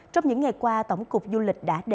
trong những ngày qua tổng cục du lịch